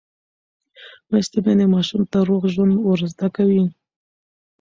لوستې میندې ماشوم ته روغ ژوند ورزده کوي.